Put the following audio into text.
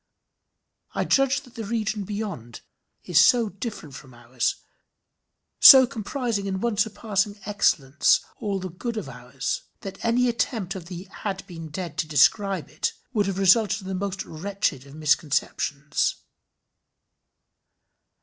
I judge that the region beyond is so different from ours, so comprising in one surpassing excellence all the goods of ours, that any attempt of the had been dead to describe it, would have resulted in the most wretched of misconceptions.